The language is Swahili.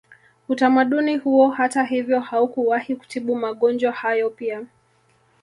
Utamaduni huo hata hivyo haukuwahi kutibu magonjwa hayo pia